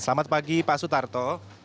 selamat pagi pak sutarto